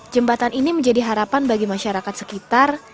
jembatan ini menjadi harapan bagi masyarakat sekitar